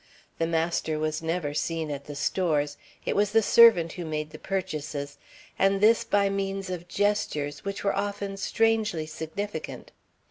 The master was never seen at the stores. It was the servant who made the purchases, and this by means of gestures which were often strangely significant.